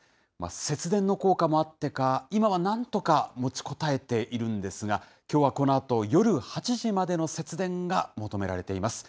節電の効果もあってか、今はなんとか持ちこたえているんですが、きょうはこのあと夜８時までの節電が求められています。